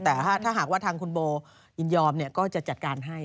แต่ถ้าหากว่าทางคุณโบยินยอมก็จะจัดการให้